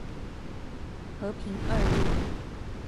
和平二路